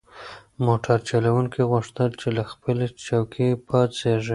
موټر چلونکي غوښتل چې له خپلې چوکۍ پاڅیږي.